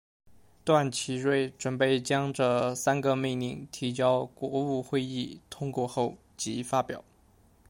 段祺瑞准备将这三个命令提交国务会议通过后即发表。